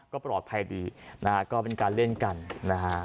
ก็ปลอดภัยดีนะฮะก็เป็นการเล่นกันนะฮะ